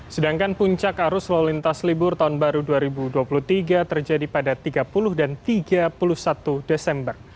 sedangkan puncak arus lalu lintas libur tahun baru dua ribu dua puluh tiga terjadi pada tiga puluh dan tiga puluh satu desember